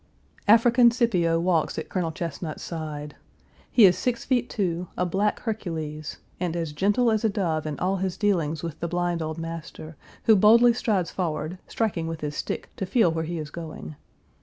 African Scipio walks at Colonel Chesnut's side. He is six feet two, a black Hercules, and as gentle as a dove in all his dealings with the blind old master, who boldly strides forward, striking with his stick to feel where he is going.